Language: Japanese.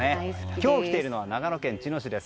今日来ているのは長野県茅野市です。